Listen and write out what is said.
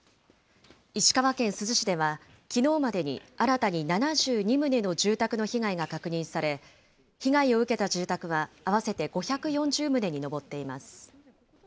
石川県珠洲市ではきのうまでに新たに７２棟の住宅の被害が確認され、被害を受けた住宅は合わせて５４０棟に上っています。